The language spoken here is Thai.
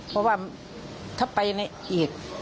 เพราะว่าถ้าไปในอีก